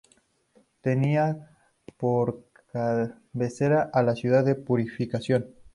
Tenía por cabecera a la ciudad de Purificación.